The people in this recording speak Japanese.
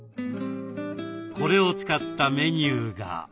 これを使ったメニューが。